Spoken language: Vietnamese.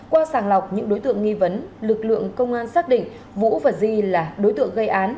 qua sàng lọc những đối tượng nghi vấn lực lượng công an xác định vũ và di là đối tượng gây án